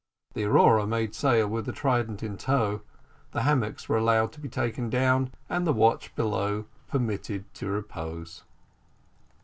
The Aurora made sail with the Trident in tow; the hammocks were allowed to be taken down, and the watch below permitted to repose.